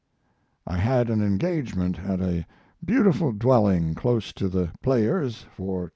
I had an engagement at a beautiful dwelling close to The Players for 10.